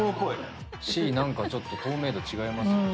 Ｃなんかちょっと透明度違いますよね。